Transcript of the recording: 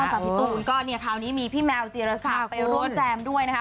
จากพี่ตูนก็เนี่ยคราวนี้มีพี่แมวจีรศักดิ์ไปร่วมแจมด้วยนะคะ